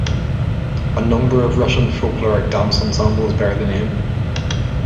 A number of Russian folkloric dance ensembles bear the name.